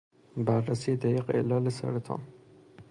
بررسی دقیق علل سرطان